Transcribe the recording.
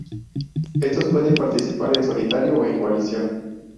Estos pueden participar en solitario o en coalición.